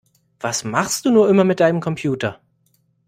Was machst du nur immer mit deinem Computer?